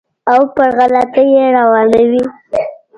او پر غلطه یې روانوي.